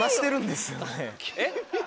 えっ？